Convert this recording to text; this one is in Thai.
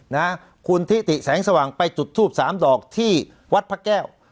นะคุณทิติแสงสว่างไปจุดทูปสามดอกที่วัดพระแก้ว